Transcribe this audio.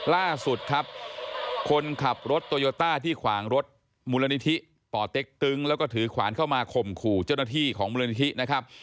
ล่าสุดครับคนขับรถโตโยต้าที่ขวางรถมูลนิธิป่อเต็กตึงแล้วก็ถือขวานเข้ามาข่มขู่เจ้าหน้าที่ของมูลนิธินะครับ